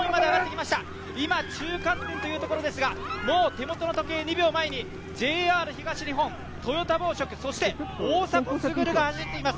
今、中間点ですが、もう手元の時計２秒前にＪＲ東日本、トヨタ紡織、大迫傑が走っています。